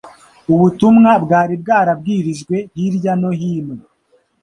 ubutumwa bwari bwarabwirijwe hirya no hino.